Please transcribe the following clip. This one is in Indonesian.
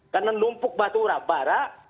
karena numpuk batu barak